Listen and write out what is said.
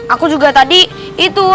aku juga tadi itu